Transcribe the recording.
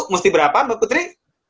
mesti berapa mbak putri